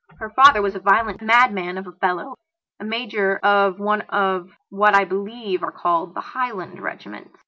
Her father was a violent madman of a fellow, a major of one of what I believe are called the Highland regiments.